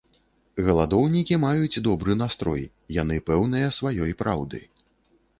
Галадоўнікі маюць добры настрой, яны пэўныя сваёй праўды.